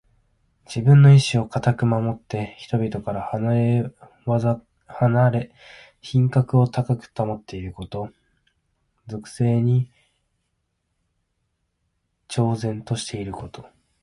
自分の意志をかたく守って、人々から離れ品格を高く保っていること。俗世に超然としていること。